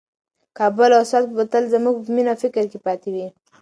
کابل او سوات به تل زموږ په مینه او فکر کې پاتې وي.